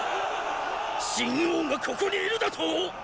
秦王がここにいるだとォ⁉